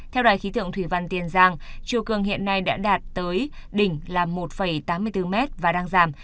theo đài khí tượng thủy văn tiền giang chiều cường hiện nay đã đạt tới đỉnh là một tám mươi bốn m và đang giảm